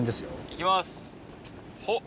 いきますほっ！